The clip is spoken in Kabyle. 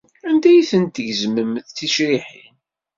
Anda ay tent-tgezmem d ticriḥin?